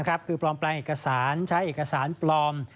คือปลอมแปลงเอกสารใช้เอกสารปลอม